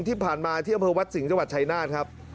ที่ผ่านมาที่อำเภอวัดสิงห์จังหวัดชายนาฏครับ